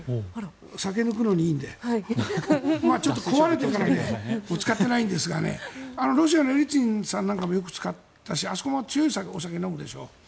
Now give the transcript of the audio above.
酒を抜くのにちょうどいいのでちょっと壊れてから使ってないんですがロシアのエリツィンさんなんかもよく使ったのであそこも強い酒を飲むでしょ。